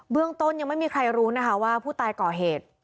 เรื่องต้นยังไม่มีใครรู้นะคะว่าผู้ตายก่อเหตุ